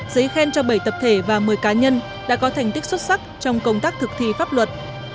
giấy khen cho bảy tập thể và một mươi cá nhân đã có thành tích xuất sắc trong công tác thực thi pháp luật